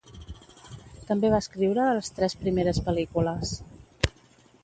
També va escriure les tres primeres pel·lícules.